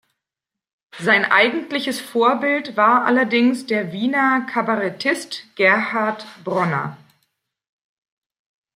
Sein eigentliches Vorbild war allerdings der Wiener Kabarettist Gerhard Bronner.